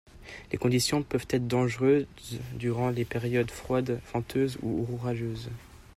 Les conditions peuvent être dangereuses durant les périodes froides, venteuses ou orageuses.